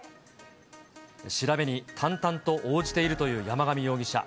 調べに淡々と応じているという山上容疑者。